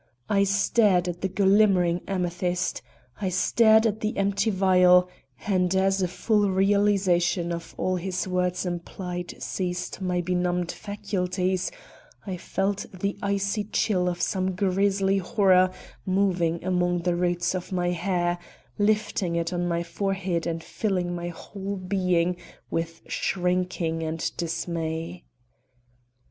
I stared at the glimmering amethyst, I stared at the empty vial and, as a full realization of all his words implied seized my benumbed faculties, I felt the icy chill of some grisly horror moving among the roots of my hair, lifting it on my forehead and filling my whole being with shrinking and dismay.